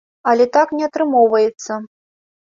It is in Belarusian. Але так не атрымоўваецца.